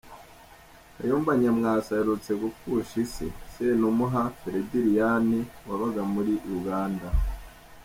Kayumba Nyamwasa aherutse gupfusha ise, Senumuha Ferediriyani wabaga muri Uganda.